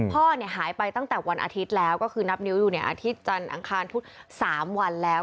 พ่อหายไปตั้งแต่วันอาทิตย์แล้วก็คือนับนิ้วอยู่เนี่ยอาทิตย์จันทร์อังคารพุธ๓วันแล้ว